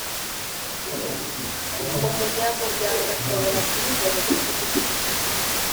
Umunyamuryango ashobora kuba umuntu kugiti cye